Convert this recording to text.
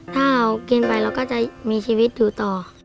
ถ้าเรากินไปเราก็จะมีชีวิตอยู่ต่อ